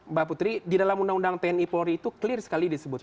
mbak putri di dalam undang undang tni polri itu clear sekali disebutkan